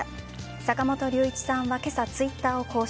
坂本龍一さんは今朝、Ｔｗｉｔｔｅｒを更新。